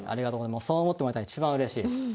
そう思ってもらえたら一番うれしいです。